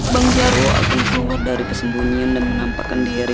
bang jarwo akan keluar dari pembunyian dan menampakkan diri